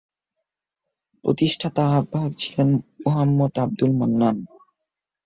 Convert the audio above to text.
প্রতিষ্ঠাতা আহ্বায়ক ছিলেন মুহাম্মদ আব্দুল মান্নান।